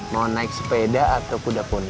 mau naik sepeda atau kuda kuda